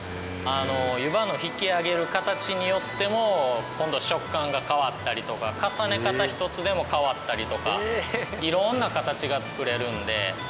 湯葉の引きあげる形によっても今度食感が変わったりとか重ね方一つでも変わったりとか色んな形が作れるので。